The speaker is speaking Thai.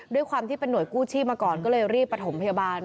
ด้วยความที่เป็นห่วยกู้ชีพมาก่อนก็เลยรีบประถมพยาบาล